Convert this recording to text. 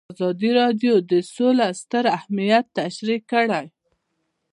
ازادي راډیو د سوله ستر اهميت تشریح کړی.